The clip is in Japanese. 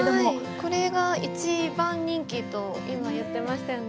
これが一番人気と今言ってましたよね。